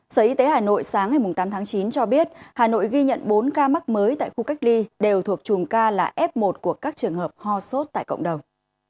sở y tế hà nội sáng ngày tám tháng chín cho biết hà nội ghi nhận bốn ca mắc mới tại khu cách ly đều thuộc chùm ca là f một của các trường hợp ho sốt tại cộng đồng